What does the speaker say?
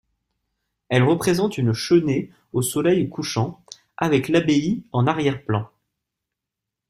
Elle représente une chênaie au soleil couchant, avec l'abbaye en arrière-plan.